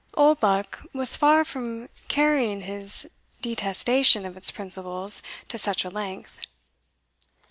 Oldbuck was far from carrying his detestation of its principles to such a length.